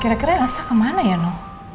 kira kira asah kemana ya no